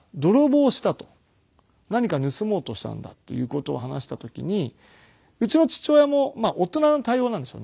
何か盗もうとしたんだっていう事を話した時にうちの父親も大人の対応なんでしょうね。